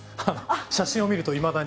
写真を見るといまだに。